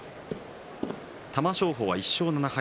玉正鳳は１勝７敗。